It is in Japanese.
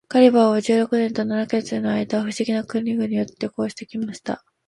ガリバーは十六年と七ヵ月の間、不思議な国々を旅行して来ました。